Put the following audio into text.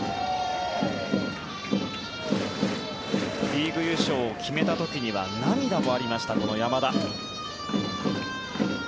リーグ優勝を決めた時には涙もありました、この山田。